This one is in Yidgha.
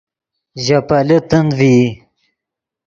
ژے پیلے تند ڤئی